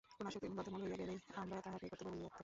কোন আসক্তি বদ্ধমূল হইয়া গেলেই আমরা তাহাকে কর্তব্য বলিয়া থাকি।